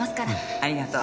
ありがとう。